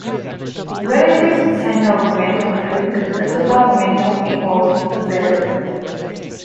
Relative to the center of momentum frame the total momentum equals zero.